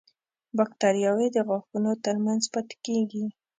باکتریاوې د غاښونو تر منځ پاتې کېږي.